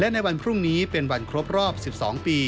ในวันพรุ่งนี้เป็นวันครบรอบ๑๒ปี